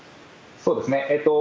そうですね。